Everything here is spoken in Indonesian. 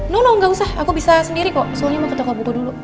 nono gak usah aku bisa sendiri kok soalnya mau ke toko buku dulu